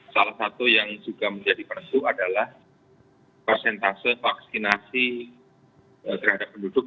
salah satu yang juga menjadi penentu adalah persentase vaksinasi terhadap penduduk